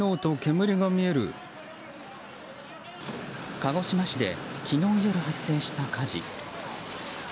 鹿児島市で昨日夜、発生した火事。